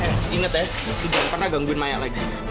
eh inget ya itu jangan pernah gangguin maya lagi